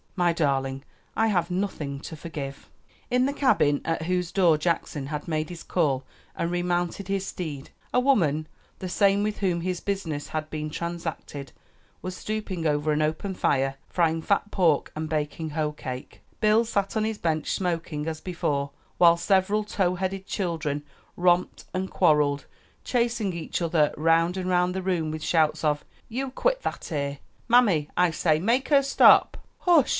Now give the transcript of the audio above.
"My darling, I have nothing to forgive." In the cabin at whose door Jackson had made his call and remounted his steed, a woman the same with whom his business had been transacted was stooping over an open fire, frying fat pork and baking hoe cake. Bill sat on his bench smoking as before, while several tow headed children romped and quarreled, chasing each other round and round the room with shouts of "You quit that ere!" "Mammy, I say, make her stop." "Hush!"